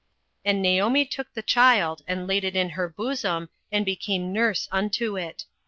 08:004:016 And Naomi took the child, and laid it in her bosom, and became nurse unto it.